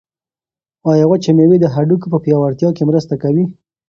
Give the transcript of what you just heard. آیا وچې مېوې د هډوکو په پیاوړتیا کې مرسته کوي؟